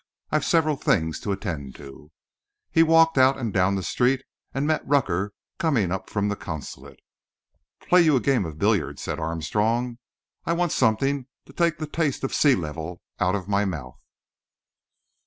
I've several things to attend to." He walked out and down the street, and met Rucker coming up from the Consulate. "Play you a game of billiards," said Armstrong. "I want something to take the taste of the sea level out of my mouth."